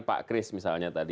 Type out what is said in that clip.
pak kris misalnya tadi